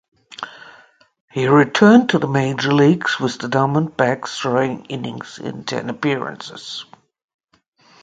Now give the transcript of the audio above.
He returned to the major leagues with the Diamondbacks, throwing innings in ten appearances.